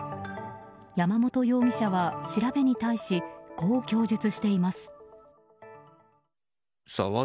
山本容疑者は調べに対しこう供述しています。